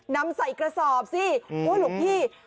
นำใส่กระสอบสิโอ้หลวงพี่